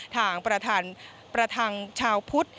ทางประธันการ์ชาวพุธ